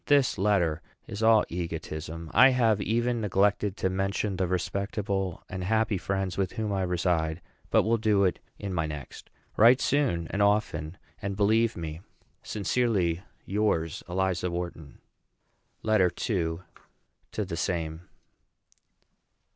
This letter is all an egotism. I have even neglected to mention the respectable and happy friends with whom I reside, but will do it in my next. Write soon and often; and believe me sincerely yours, ELIZA WHARTON. LETTER II. TO THE SAME.